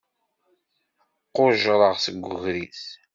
Qujjreɣ seg ugris.